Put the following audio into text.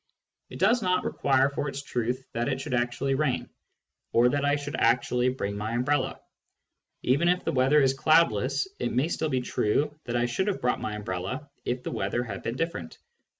It does not require for its truth that it should actually rain, or that I should actually bring my umbrella ; even if the weather is cloudless, it may still be true that I should have brought my umbrella if the weather had been different.